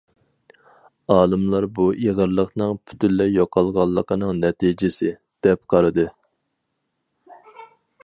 ئالىملار بۇ ئېغىرلىقنىڭ پۈتۈنلەي يوقالغانلىقىنىڭ نەتىجىسى، دەپ قارىدى.